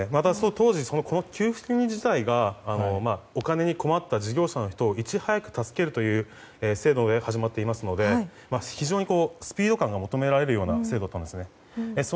当時、給付金自体がお金に困った事業者の人をいち早く助けるという制度で始まっていますので非常にスピード感が求められるような制度だったんですね。